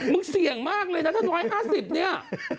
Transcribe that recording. มันเสี่ยงมากเลยนะถ้า๑๕๐เนี่ย